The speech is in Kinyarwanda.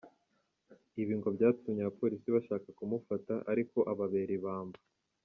Ibi ngo byatumye abapolisi bashaka kumufata ariko ababera ibamba .